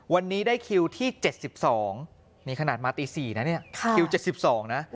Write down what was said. วันนี้ได้คิวที่๗๒นี่ขนาดมาตี๔นะเนี่ยคิว๗๒นะ